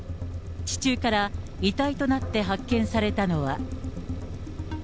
地中から遺体となって発見されたのは。